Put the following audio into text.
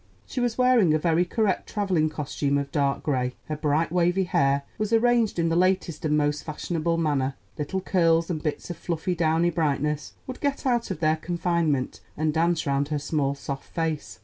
She was wearing a very correct traveling costume of dark gray; her bright wavy hair was arranged in the latest and most fashionable manner; little curls and bits of fluffy downy brightness would get out of their confinement and dance round her small, soft face.